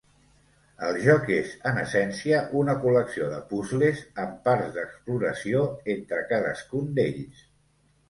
El joc és, en essència, una col·lecció de puzles amb parts d'exploració entre cadascun d'ells.